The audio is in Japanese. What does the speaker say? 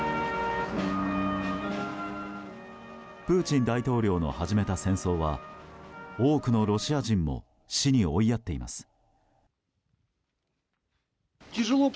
プーチン大統領の始めた戦争は多くのロシア人も死に追いやっています。